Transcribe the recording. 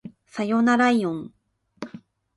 さよならいおん